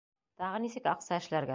Тағы нисек аҡса эшләргә?